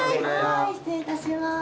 はい失礼いたします。